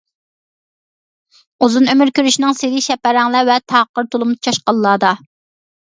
ئۇزۇن ئۆمۈر كۆرۈشنىڭ سىرى شەپەرەڭلەر ۋە تاقىر تۇلۇم چاشقانلاردا!